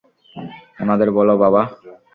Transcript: উনাদের বলো, বাবা!